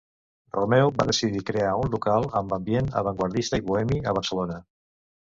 Romeu va decidir crear un local amb ambient avantguardista i bohemi a Barcelona.